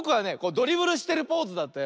ドリブルしてるポーズだったよ。